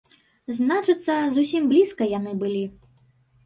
Значыцца, зусім блізка яны былі.